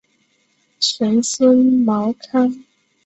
玄孙毛堪。